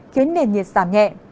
khiến nền nhiệt giảm nhẹ